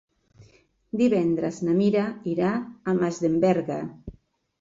Divendres na Mira irà a Masdenverge.